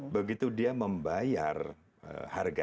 begitu dia membayar harga